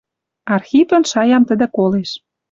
Архипӹн шаям тӹдӹ колеш: